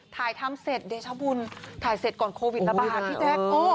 ถ่ายทำเสร็จเดชบุญถ่ายเสร็จก่อนโควิดระบาดพี่แจ๊ค